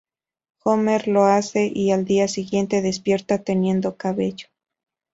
Homer lo hace y, al día siguiente, despierta teniendo cabello.